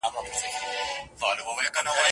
یوه خبره ورته یاده وه له پلاره څخه